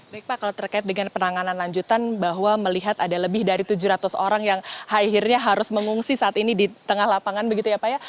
baik pak kalau terkait dengan penanganan lanjutan bahwa melihat ada lebih dari tujuh ratus orang yang akhirnya harus mengungsi saat ini di tengah lapangan begitu ya pak ya